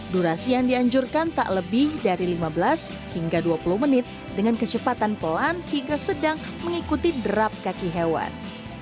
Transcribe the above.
durasi yang dianjurkan tak lebih dari lima belas hingga dua puluh menit dengan kecepatan pelan hingga sedang mengikuti derap kaki hewan